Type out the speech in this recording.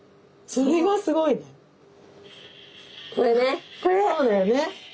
そうだよね。